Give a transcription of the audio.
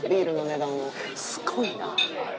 すごいな。